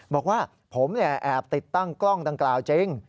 บอกว่าผมแอบติดตั้งกล้องดังกล่าวจริง